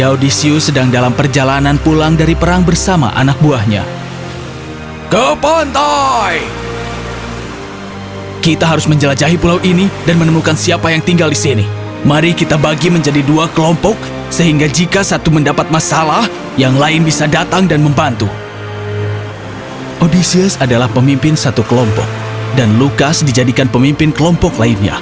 odysseus adalah pemimpin satu kelompok dan lukas dijadikan pemimpin kelompok lainnya